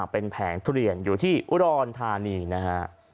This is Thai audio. เป็นแผงทุเรียนอยู่ที่อุดรธานีนะฮะ